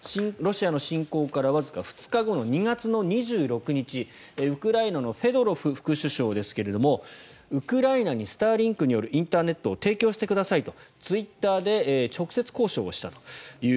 ロシアの侵攻からわずか２日後の２月２６日ウクライナのフェドロフ副首相ですがウクライナにスターリンクによるインターネットを提供してくださいとツイッターで直接交渉したと。